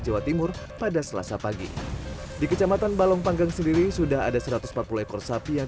jawa timur pada selasa pagi di kecamatan balong panggang sendiri sudah ada satu ratus empat puluh ekor sapi yang